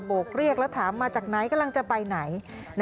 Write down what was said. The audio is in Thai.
กเรียกแล้วถามมาจากไหนกำลังจะไปไหน